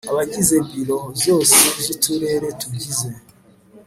Abagize Biro zose z Uturere tugize